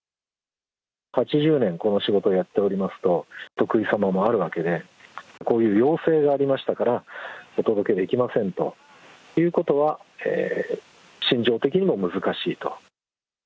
８０年この仕事をやっておりますと、お得意様もあるわけで、こういう要請がありましたから、お届けできませんということは、心情的にも難しいと。